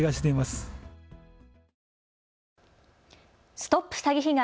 ＳＴＯＰ詐欺被害！